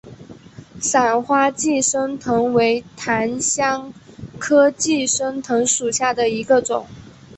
伞花寄生藤为檀香科寄生藤属下的一个种。